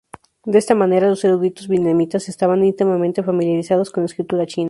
De esta manera, los eruditos vietnamitas estaban íntimamente familiarizados con la escritura china.